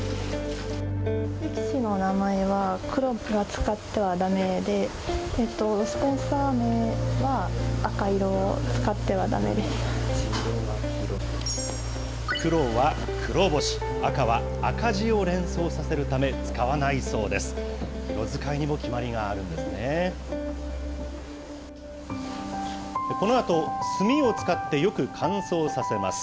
黒は黒星、赤は赤字を連想させるため、使わないそうです。